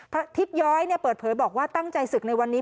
ทิศย้อยเปิดเผยบอกว่าตั้งใจศึกในวันนี้